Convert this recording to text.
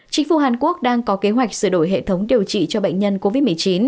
chính phủ hàn quốc đang có kế hoạch sửa đổi hệ thống điều trị cho bệnh nhân covid một mươi chín